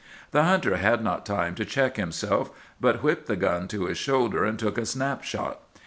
"The hunter had not time to check himself, but whipped the gun to his shoulder and took a snap shot.